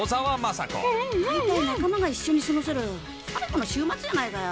大体仲間が一緒に過ごせる最後の週末じゃないかよ。